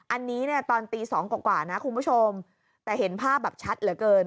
อันนี้เนี่ยตอนตีสองกว่านะคุณผู้ชมแต่เห็นภาพแบบชัดเหลือเกิน